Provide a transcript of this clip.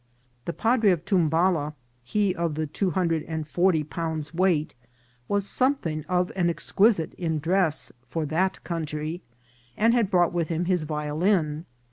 The padre of Tumbala, he of two hundred and forty pounds' weight, was somewhat of an exquisite in dress for that country, and had brought with him his violin.